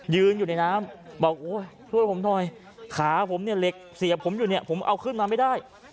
ยืนอยู่ในน้ำบอกโอ้ยช่วยผมหน่อยขาผมเนี่ยเหล็กเสียบผมอยู่เนี่ยผมเอาขึ้นมาไม่ได้